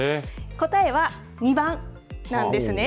答えは２番なんですね。